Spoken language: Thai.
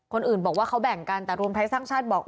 คนอื่นบอกว่าเขาแบ่งกันแต่รวมไทยสร้างชาติบอก